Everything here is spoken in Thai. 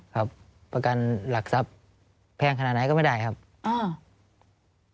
ครับประกันหลักทรัพย์แพงขนาดไหนก็ไม่ได้ครับอ่า